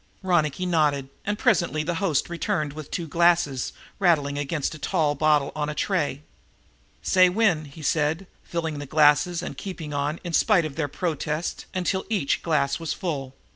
Ronicky nodded, and presently the host returned with two glasses, rattling against a tall bottle on a tray. "Say, when," he said, filling the glasses and keeping on, in spite of their protests, until each glass was full.